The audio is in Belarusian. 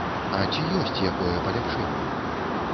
А ці ёсць якое паляпшэнне?